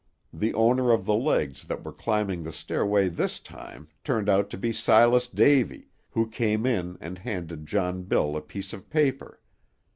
The owner of the legs that were climbing the stairway this time turned out to be Silas Davy, who came in and handed John Bill a piece of paper.